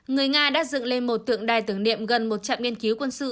người nga đã dựng lên một tượng đài tưởng niệm gần một trạm nghiên cứu quân sự